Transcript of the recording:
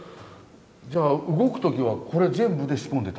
じゃあ動く時はこれ全部で仕込んでた？